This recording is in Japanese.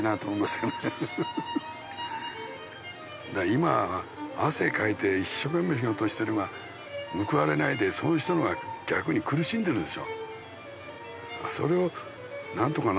今は汗かいて一生懸命仕事してるのが報われないでそういう人のほうが逆に苦しんでるでしょ。